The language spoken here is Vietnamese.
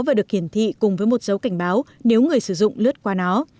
và được hiển thị cùng với một dấu cảnh báo nếu người sử dụng lướt qua nó